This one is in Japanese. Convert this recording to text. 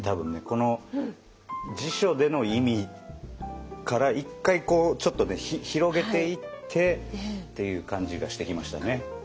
この辞書での意味から一回ちょっと広げていってっていう感じがしてきましたね。